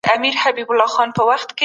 ته باید په خپل وزګار وخت کي کار وکړي.